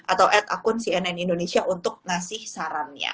atau at akun cnn indonesia untuk ngasih sarannya